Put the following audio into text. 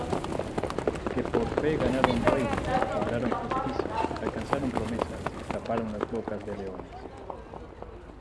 Que por fe ganaron reinos, obraron justicia, alcanzaron promesas, taparon las bocas de leones,